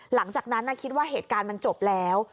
หลังจากนั้นคิดว่าเหตุการณ์มันจบแล้ว